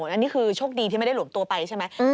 อันนี้คือโชคดีที่ไม่ได้หลวมตัวไปใช่ไหม